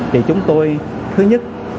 vì chúng tôi thứ nhất